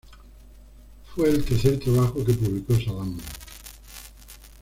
Fue el tercer trabajo que publicó Sadam.